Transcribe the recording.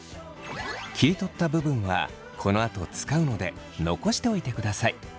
切り取った部分はこのあと使うので残しておいてください。